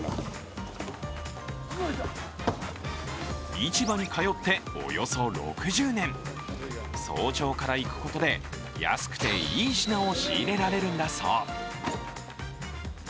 市場に通っておよそ６０年、早朝から行くことで安くていい品を仕入れられるんだそう。